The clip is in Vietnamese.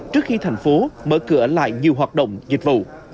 trước khi thành phố mở cửa lại nhiều hoạt động dịch vụ